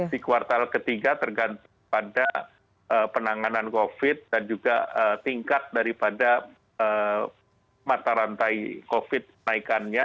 di kuartal ketiga tergantung pada penanganan covid sembilan belas dan juga tingkat daripada mata rantai covid sembilan belas naikannya